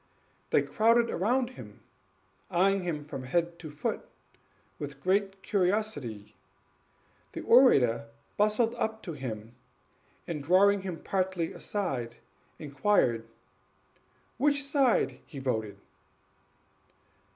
They crowded round him, eying him from head to foot with great curiosity. The orator bustled up to him, and, drawing him partly aside, inquired "on which side he voted?"